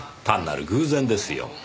単なる偶然ですよ。